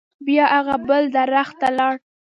بیا هغه بل درخت ته لاړ.